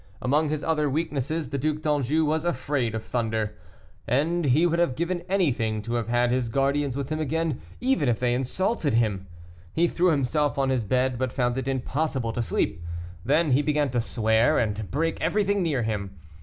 Among his other weaknesses, the Duc d'Anjou was afraid of thunder, and he would have given anything to have had his guardians with him again, even if they insulted him. He threw himself on his bed, but found it impossible to sleep. Then he began to swear, and break everything near him.